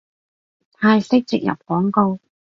泰式植入廣告